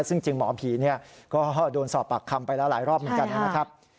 ซึ่งจริงหมอผีก็โดนสอบปากคำไปแล้วหลายรอบเหมือนกันนะครับ